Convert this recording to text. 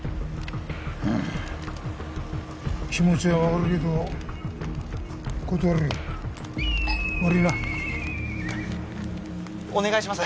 うん気持ちは分かるけど断るよ悪いなお願いします